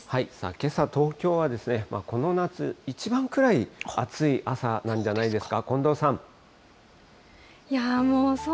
けさ、東京はこの夏一番くらい暑い朝なんじゃないですか？